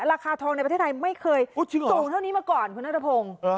ราคาทองในประเทศไทยไม่เคยสูงเท่านี้มาก่อนคุณนัทพงศ์